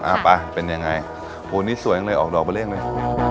อ่าป่ะเป็นยังไงโอ้นี่สวยอังเลยออกดอกเบอร์เล่งเลย